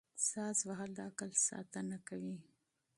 ساز وهل د عقل ساتنه کوي.